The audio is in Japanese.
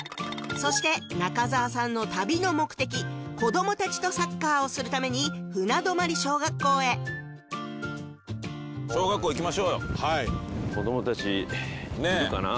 そして中澤さんの旅の目的「子どもたちとサッカー」をするために船泊小学校へ小学校へ行きましょうよはい子どもたちいるかな？